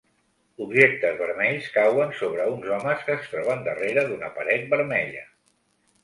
Objectes vermells cauen sobre uns homes que es troben darrere d'una paret vermella.